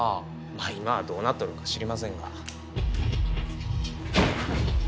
まっ今はどうなっとるか知りませんが。